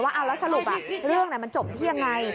แล้วสรุปเรื่องนั้นมันจบที่ยังไง